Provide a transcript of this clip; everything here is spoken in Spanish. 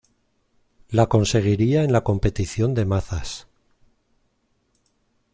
La conseguiría en la competición de mazas.